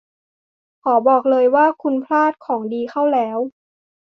ขอบอกเลยว่าคุณพลาดของดีเข้าแล้ว